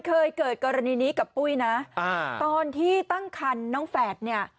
เคยเกิดกรณีนี้กับปุ้ยนะตอนที่ตั้งคันน้องแฝดเนี่ย